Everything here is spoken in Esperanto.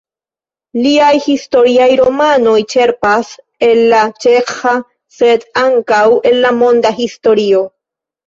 Liaj historiaj romanoj ĉerpas el la ĉeĥa, sed ankaŭ el la monda historio.